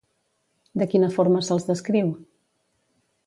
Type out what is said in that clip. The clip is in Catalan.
De quina forma se'ls descriu?